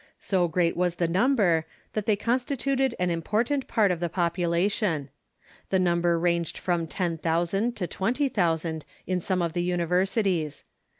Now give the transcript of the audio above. So great was the number that they constituted an important part of the population. The number ranged from ten thousand to twenty thousand in some of the univ(;rsities.